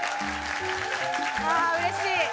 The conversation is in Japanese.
ああ、うれしい。